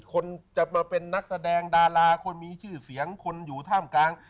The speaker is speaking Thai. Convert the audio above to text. คนจะมาเป็นนักแสดงดาราคนมีชื่อเสียงคนอยู่ท่ามกลาง